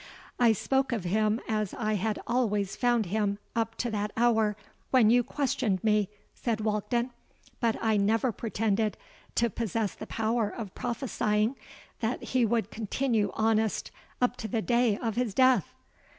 —'I spoke of him as I had always found him up to that hour when you questioned me,' said Walkden: 'but I never pretended to possess the power of prophesying that he would continue honest up to the day of his death!'